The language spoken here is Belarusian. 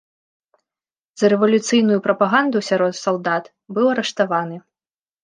За рэвалюцыйную прапаганду сярод салдат быў арыштаваны.